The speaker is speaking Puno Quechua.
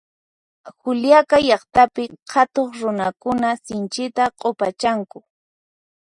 Juliaca llaqtapi qhatuq runakuna sinchita q'upachanku